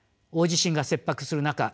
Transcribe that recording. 大地震が切迫する中